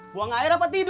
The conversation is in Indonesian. buang air apa tidur